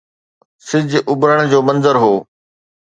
سج اڀرڻ جو منظر هو.